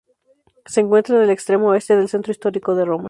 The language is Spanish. Se encuentra en el extremo este del centro histórico de Roma.